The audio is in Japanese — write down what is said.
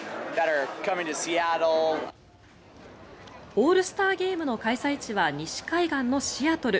オールスターゲームの開催地は西海岸のシアトル。